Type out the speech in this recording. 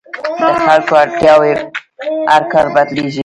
د خلکو اړتیاوې هر کال بدلېږي.